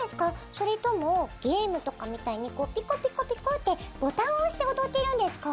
それともゲームとかみたいにピコピコピコってボタンを押して踊ってるんですか？